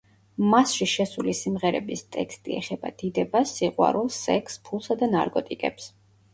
მასში შესული სიმღერების ტექსტი ეხება დიდებას, სიყვარულს, სექსს, ფულს და ნარკოტიკებს.